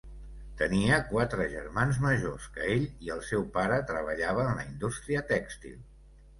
Tenia quatre germans majors que ell i el seu pare treballava en la indústria tèxtil.